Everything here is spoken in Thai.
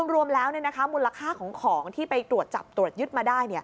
รวมแล้วมูลค่าของของที่ไปตรวจจับตรวจยึดมาได้